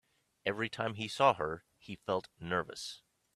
Every time he saw her, he felt nervous.